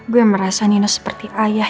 gue merasa nino seperti ayah